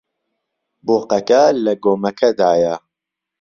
بۆقەکە لە گۆمەکەدایە.